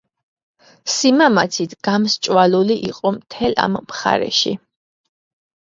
სიმამაცით გამსჭვალული იყო მთელ ამ მხარეში.